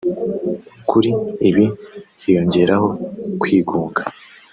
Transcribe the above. Kuri ibi hiyongeraho kwigunga